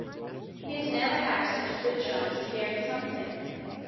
He had never had such a good chance of hearing something.